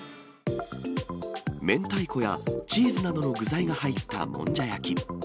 明太子やチーズなどの具材が入ったもんじゃ焼き。